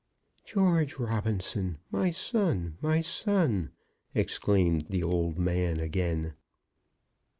"George Robinson, my son, my son!" exclaimed the old man again.